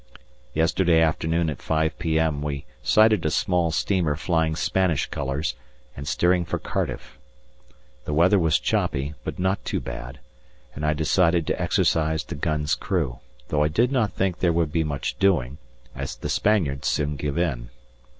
Yesterday afternoon at 5 p.m. we sighted a small steamer flying Spanish colours and steering for Cardiff. The weather was choppy, but not too bad, and I decided to exercise the gun's crew, though I did not think there would be much doing, as the Spaniards soon give in.